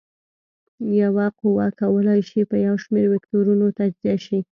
یوه قوه کولی شي په یو شمېر وکتورونو تجزیه شي.